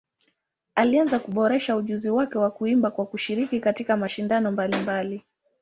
Alianza kuboresha ujuzi wake wa kuimba kwa kushiriki katika mashindano mbalimbali.